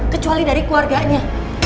kecuali dari keluarganya